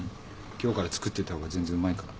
今日から作っといたほうが全然うまいから。